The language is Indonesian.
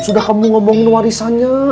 sudah kamu ngomongin warisannya